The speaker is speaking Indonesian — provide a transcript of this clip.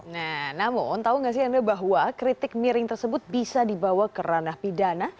nah namun tahu nggak sih anda bahwa kritik miring tersebut bisa dibawa ke ranah pidana